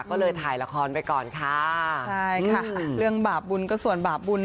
ก็เลยถ่ายละครไปก่อนค่ะใช่ค่ะเรื่องบาปบุญก็ส่วนบาปบุญ